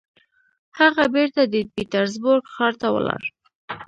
هغه بېرته د پيټرزبورګ ښار ته ولاړ.